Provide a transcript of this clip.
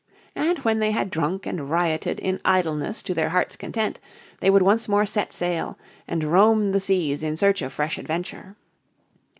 And when they had drunk and rioted in idleness to their heart's content they would once more set sail, and roam the seas in search of fresh adventure.